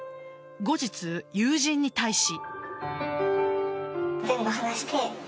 後日、友人に対し。